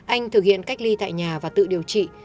anh thực hiện cách ly tại nhà và tự điều trị